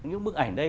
những bức ảnh đây